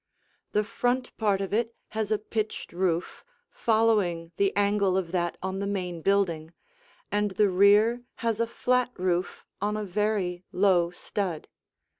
The front part of it has a pitched roof following the angle of that on the main building, and the rear has a flat roof on a very low stud.